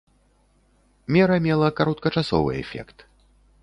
Мера мела кароткачасовы эфект.